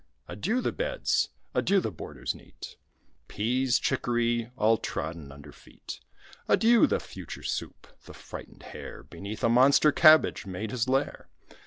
Adieu the beds! adieu the borders neat! Peas, chicory, all trodden under feet. Adieu the future soup! The frightened hare Beneath a monster cabbage made his lair.